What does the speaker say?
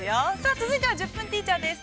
続いては「１０分ティーチャー」です。